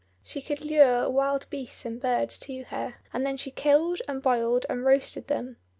She could lure wild beasts and birds to her, and then she killed and boiled and roasted them.